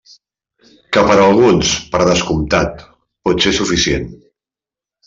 Que per a alguns, per descomptat, pot ser suficient.